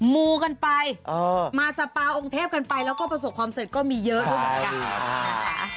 มูลกันไปมาสปาองเทพกันไปแล้วประสบความเสร็จก็มีเยอะอยู่